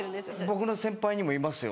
僕の先輩にもいますよ。